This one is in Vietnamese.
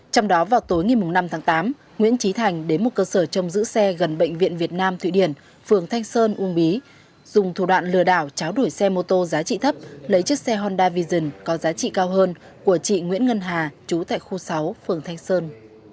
trong đó vào tối ngày năm tháng tám nguyễn trí thành đến một cơ sở trong giữ xe gần bệnh viện việt nam thụy điển phường thanh sơn uông bí dùng thủ đoạn lừa đảo cháo đổi xe mô tô giá trị thấp lấy chiếc xe honda vision có giá trị cao hơn của chị nguyễn ngân hà chú tại khu sáu phường thanh sơn